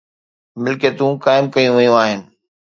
ملڪيتون قائم ڪيون ويون آهن.